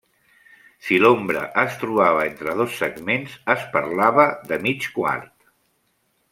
Si l'ombra es trobava entre dos segments, es parlava de mig quart.